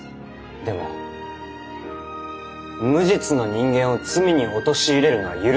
でも無実の人間を罪に陥れるのは許せません。